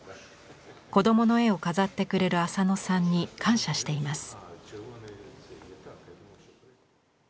子どもの絵を飾ってくれる浅野さんに感謝しています。